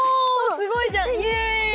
すごいじゃん！